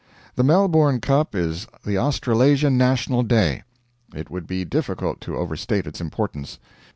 The Melbourne Cup is the Australasian National Day. It would be difficult to overstate its importance.